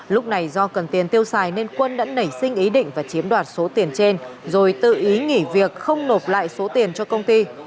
lúc này do cần tiền tiêu xài nên quân đã nảy sinh ý định và chiếm đoạt số tiền trên rồi tự ý nghỉ việc không nộp lại số tiền cho công ty